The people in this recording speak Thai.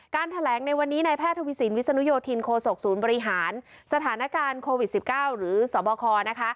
แถลงในวันนี้ในแพทย์ทวีสินวิศนุโยธินโคศกศูนย์บริหารสถานการณ์โควิด๑๙หรือสบคนะคะ